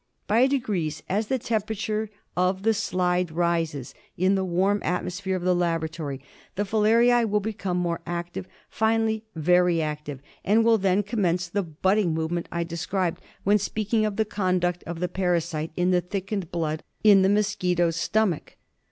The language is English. By degrees, as the temperature of the slides rises in the warm atmosphere of the laboratory, the filariae will become more active, finally very active, and will then commence the butting movement I described when speaking of the conduct of 92 MALARIA. the parasite in the thickened blood in the mosquito's stomach.